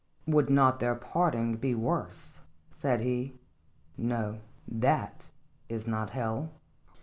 " Would not their parting be worse?" said he. " Nothat is not hell."